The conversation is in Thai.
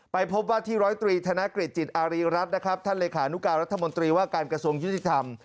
ไปพบว่าที่ร้อยตรีธนกฤษจิตอารีรัฐนะครับท่านเลขานุการรัฐมนตรีว่าการกระทรวงยุติธรรม